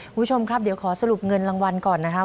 คุณผู้ชมครับเดี๋ยวขอสรุปเงินรางวัลก่อนนะครับ